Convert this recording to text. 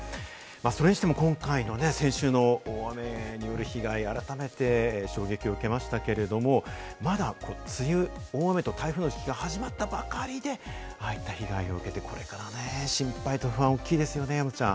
それにしても今回、先週の大雨による被害が改めて衝撃を受けましたけれども、まだ梅雨、大雨と台風の時期が始まったばかりで、大きな被害を受けて、これから心配が多いですよね、山ちゃん。